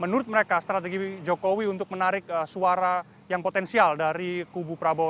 menurut mereka strategi jokowi untuk menarik suara yang potensial dari kubu prabowo